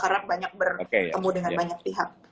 karena banyak bertemu dengan banyak pihak